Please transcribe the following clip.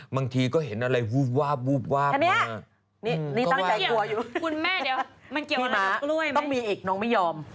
บางทีก็เห็นอะไรวูบวาบมาคุณแม่เดี๋ยวมันเกี่ยวอะไรกับกล้วยไหมพี่ม้าต้องมีเอกน้องไม่ยอม